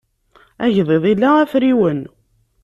Agḍiḍ ila afriwen.